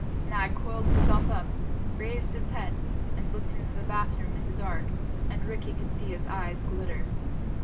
Nag coiled himself up, raised his head, and looked into the bathroom in the dark, and Rikki could see his eyes glitter.